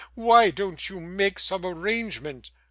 Why don't you make some arrangement?"